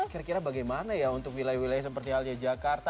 kira kira bagaimana ya untuk wilayah wilayah seperti halnya jakarta